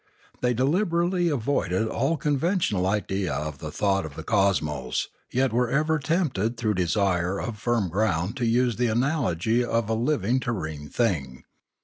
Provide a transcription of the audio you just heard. They deliberately avoided all conventional idea of the thought of the cosmos, yet were ever tempted through desire of firm ground to use the analogy of a living terrene thing.